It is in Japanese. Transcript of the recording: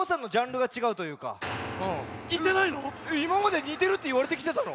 いままでにてるっていわれてきてたの？